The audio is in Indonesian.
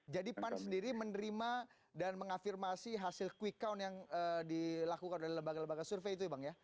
jadi pan sendiri menerima dan mengafirmasi hasil quick count yang dilakukan oleh lembaga lembaga survei itu ya bang ya